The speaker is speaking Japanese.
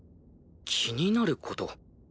気になること？